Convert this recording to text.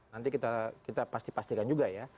nanti kita pasti pastikan juga ya